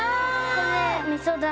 これ。